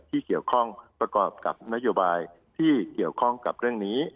ที่เกี่ยวข้องประกอบกับนโยบายที่เกี่ยวข้องกับเรื่องนี้